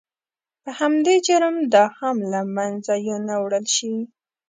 په همدې جرم دا هم له منځه یو نه وړل شي.